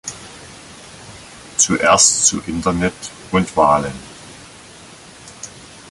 Zuerst zu Internet und Wahlen.